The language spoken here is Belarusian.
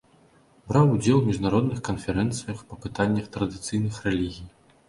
Браў удзел у міжнародных канферэнцыях па пытаннях традыцыйных рэлігій.